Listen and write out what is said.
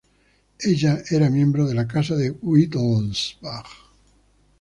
Ella era miembro de la Casa de Wittelsbach.